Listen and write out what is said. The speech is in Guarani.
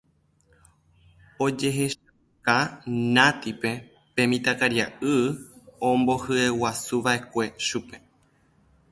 ojehechauka Natípe pe mitãkaria'y ombohyeguasuva'ekue chupe